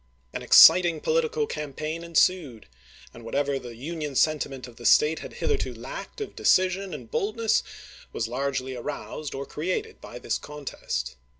An ex citing political campaign ensued, and whatever the Union sentiment of the State had hitherto lacked of decision and boldness was largely aroused or created bv this contest.